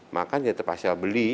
makan ya terpaksa beli